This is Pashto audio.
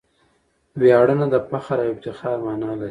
ویاړنه دفخر او افتخار مانا لري.